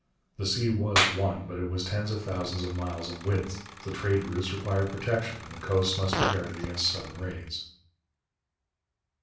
The sea was one, but it was tens of thousands of miles in width; the trade routes required protection, and the coasts must be guarded against sudden raids.